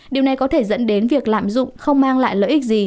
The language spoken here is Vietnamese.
điều này có thể dẫn đến việc lạm dụng không mang lại lợi ích gì